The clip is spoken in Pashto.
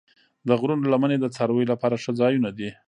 د غرونو لمنې د څارویو لپاره ښه ځایونه دي.